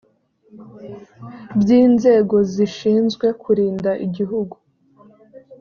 by inzego zishinzwe kurinda igihugu